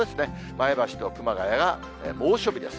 前橋と熊谷が猛暑日です。